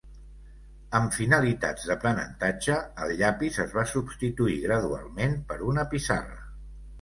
Amb finalitats d'aprenentatge, el llapis es va substituir gradualment per una pissarra.